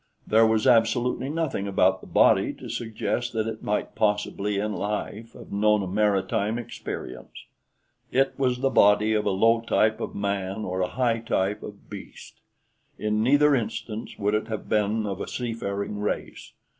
There was absolutely nothing about the body to suggest that it might possibly in life have known a maritime experience. It was the body of a low type of man or a high type of beast. In neither instance would it have been of a seafaring race.